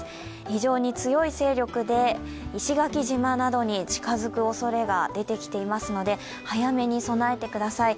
非常に強い勢力で石垣島などに近づくおそれが出てきていますので、早めに備えてください